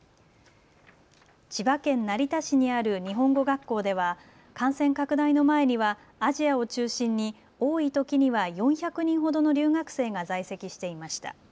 千葉県成田市にある日本語学校では感染拡大の前にはアジアを中心に多いときには４００人ほどの留学生が在籍していました。